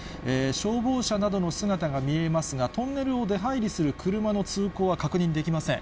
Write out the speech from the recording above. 消防車などの姿が見えますが、トンネルを出はいりする車の通行は確認できません。